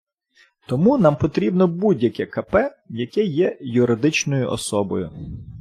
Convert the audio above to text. Тому нам потрібно будь-яке КП, яке є юридичною особою.